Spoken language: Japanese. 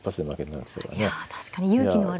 いや確かに勇気のある。